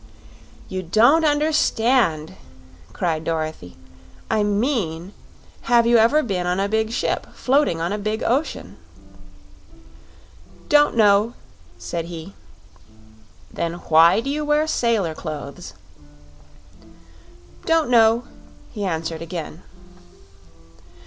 "You don't understand," cried Dorothy. "I mean, have you ever been on a big ship floating on a big ocean?" "Don't know," said he. "Then why do you wear sailor clothes?" "Don't know," he answered, again.